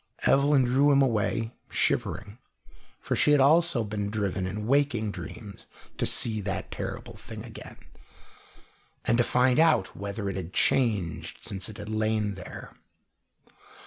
Evelyn drew him away, shivering, for she had also been driven in waking dreams to see that terrible thing again, and to find out whether it had changed since it had lain there.